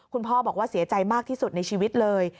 คุณพ่อบอกว่าเสียใจมากที่สุดในชีวิตเลย